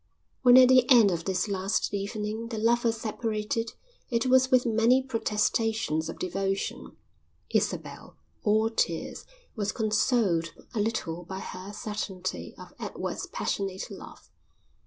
When at the end of this last evening the lovers separated it was with many protestations of devotion. Isabel, all tears, was consoled a little by her certainty of Edward's passionate love.